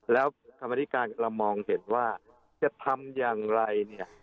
แล้วกรรมธิการเรามองเห็นว่าจะทำอย่างไรเนี่ย